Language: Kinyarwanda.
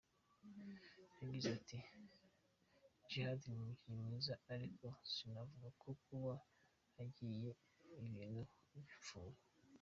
Yagize ati “Djihad ni umukinnyi mwiza ariko sinavuga ko kuba agiye ibintu bipfuye.